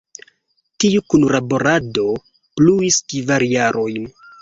Tiu kunlaborado pluis kvar jarojn.